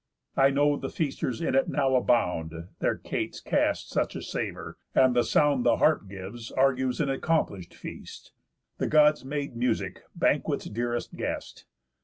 I know the feasters in it now abound, Their cates cast such a savour; and the sound The harp gives argues an accomplish'd feast. _The Gods made music banquet's dearest guest."